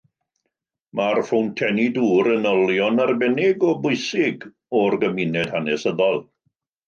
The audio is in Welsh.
Mae'r ffowntenni dŵr yn olion arbennig o bwysig o'r gymuned hanesyddol.